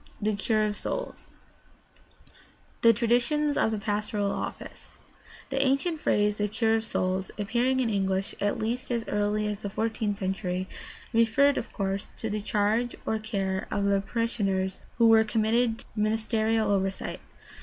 THE CURE OF SOULS The traditions of the pastoral office. — The ancient phrase, "the cure of souls," appearing in English at least as early as the fourteenth century, referred, of course, to the charge or care of the parishioners who were committed to the ministerial oversight.